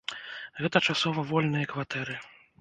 Гэта часова вольныя кватэры.